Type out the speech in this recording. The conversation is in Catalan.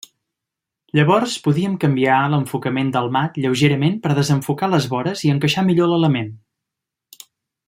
Llavors podíem canviar l'enfocament del mat lleugerament per desenfocar les vores i encaixar millor l'element.